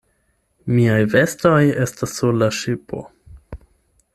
Miaj vestoj estas sur la ŝipo.